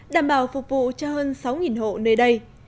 đảm bảo phục vụ cho hơn sáu hộ nơi đây